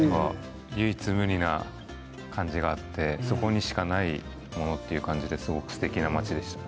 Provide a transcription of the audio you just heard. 唯一無二な感じがあってそこにしかないものという感じですごいすてきな町でしたね。